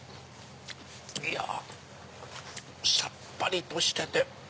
いやさっぱりとしてて。